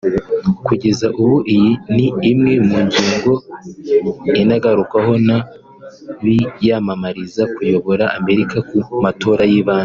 Kugeza ubu iyi ni imwe mu ngingo inagarukwaho n’ abiyamamariza kuyobora Amerika mu matora y’ibanze